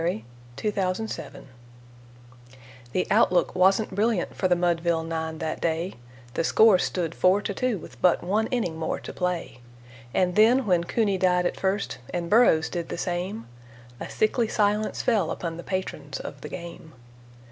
Y Z Casey at the Bat The outlook wasn't brilliant for the Mudville nine that day; The score stood four to two with but one inning more to play. And then when Cooney died at first, and Burrows did the same, A sickly silence fell upon the patrons of the game.